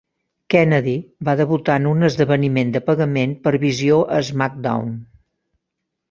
Kennedy va debutar en un esdeveniment de pagament per visió a SmackDown!